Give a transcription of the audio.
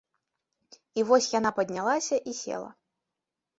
І вось яна паднялася і села.